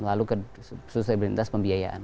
lalu ke sustainability pembiayaan